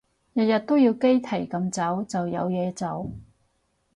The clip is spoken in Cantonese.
日日都要雞啼咁早就有嘢做？